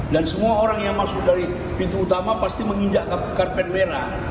dan semua orang yang masuk dari pintu utama pasti menginjak ke karpet merah